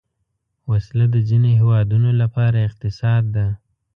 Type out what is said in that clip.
وسله د ځینو هیوادونو لپاره اقتصاد ده